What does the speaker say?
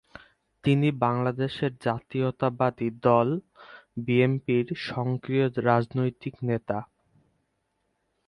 তিনি বাংলাদেশ জাতীয়তাবাদী দল বিএনপির সক্রিয় রাজনৈতিক নেতা।